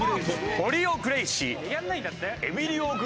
エリオ・グレイシー！